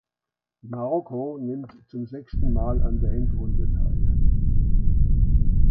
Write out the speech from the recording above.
Marokko nimmt zum sechsten Mal an der Endrunde teil.